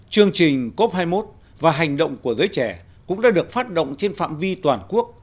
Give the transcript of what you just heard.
chương trình cop hai mươi một và hành động của giới trẻ cũng đã được phát động trên phạm vi toàn quốc